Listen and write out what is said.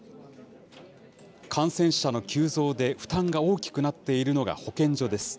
感染者の急増で負担が大きくなっているのが保健所です。